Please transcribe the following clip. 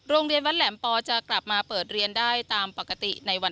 โรงเรียนวัดแหลมปอจะกลับมาเปิดเรียนได้ตามปกติในวัน